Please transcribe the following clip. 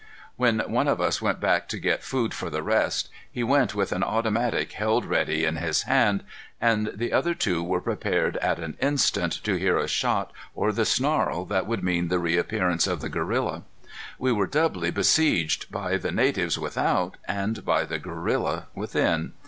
When one of us went back to get food for the rest, he went with an automatic held ready in his hand, and the other two were prepared at any instant to hear a shot or the snarl that would mean the reappearance of the gorilla. We were doubly besieged, by the natives without and by the gorilla within.